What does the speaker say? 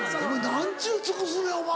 何ちゅう尽くすねんお前。